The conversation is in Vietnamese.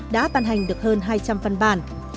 đã ban hành được hơn hai trăm linh văn bản